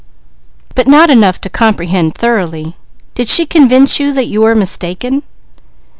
"But not enough to comprehend thoroughly. Did she convince you that you are mistaken?"